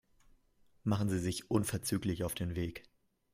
Machen Sie sich unverzüglich auf den Weg.